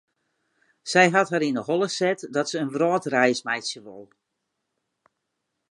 Sy hat har yn 'e holle set dat se in wrâldreis meitsje wol.